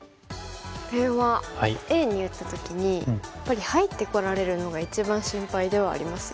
これはＡに打った時にやっぱり入ってこられるのが一番心配ではありますよね。